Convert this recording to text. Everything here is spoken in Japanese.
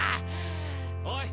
おい。